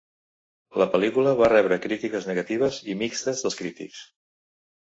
La pel·lícula va rebre crítiques negatives i mixtes dels crítics.